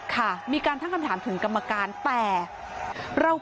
ค่ะมีการตั้งคำถามถึงกรรมการแต่เรา